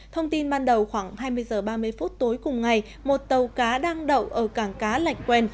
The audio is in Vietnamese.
thông tin ban đầu khoảng hai mươi h ba mươi phút tối cùng ngày một tàu cá đang đậu ở cảng cá lạch quen